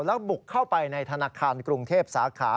แล้วบุกเข้าไปในธนาคารกรุงเทพสาขา